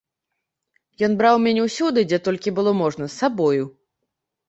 Ён браў мяне ўсюды, дзе толькі было можна, з сабою.